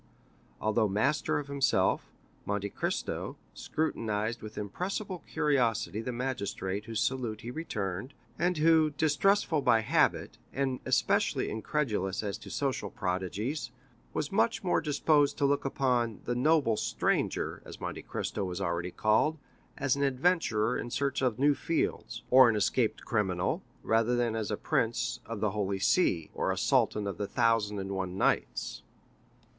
Although master of himself, Monte Cristo, scrutinized with irrepressible curiosity the magistrate whose salute he returned, and who, distrustful by habit, and especially incredulous as to social prodigies, was much more despised to look upon "the noble stranger," as Monte Cristo was already called, as an adventurer in search of new fields, or an escaped criminal, rather than as a prince of the Holy See, or a sultan of the Thousand and One Nights.